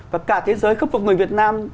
và cả thế giới khúc phục người việt nam